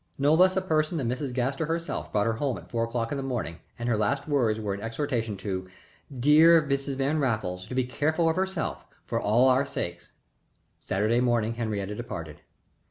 No less a person than Mrs. Gaster herself brought her home at four o'clock in the morning and her last words were an exhortation to her "dear Mrs. Van Raffles" to be careful of herself "for all our sakes." Saturday morning Henriette departed.